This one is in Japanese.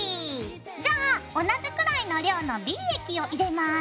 じゃあ同じくらいの量のＢ液を入れます。